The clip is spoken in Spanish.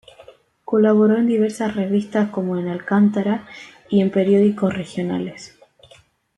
Colaboró en diversas revistas como "Alcántara" y en periódicos regionales.